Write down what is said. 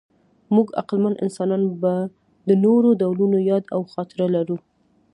موږ عقلمن انسانان به د نورو ډولونو یاد او خاطره لرو.